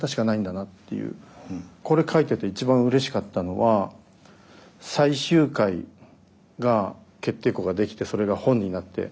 これ書いてて一番うれしかったのは最終回が決定稿が出来てそれが本になって。